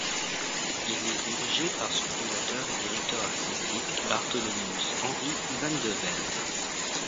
Il est dirigé par son fondateur et directeur artistique, Bartholomeus-Henri Van de Velde.